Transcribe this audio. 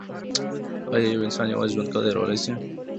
ایا یو انسان یوازي ژوند تیرولای سي؟